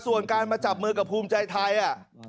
ส่วนการมาจับมือกับภูมิใจไทย